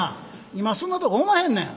今そんなとこおまへんねん」。